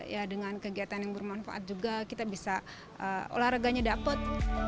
ya dengan kegiatan yang bermanfaat juga kita bisa olahraganya dapat